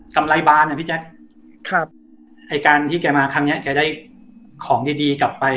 ำไรบานอ่ะพี่แจ๊คครับไอ้การที่แกมาครั้งเนี้ยแกได้ของดีดีกลับไป